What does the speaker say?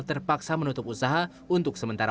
terpaksa menutup usaha untuk sementara